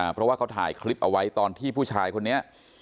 เพราะว่าเขาถ่ายคลิปเอาไว้ตอนที่ผู้ชายคนนี้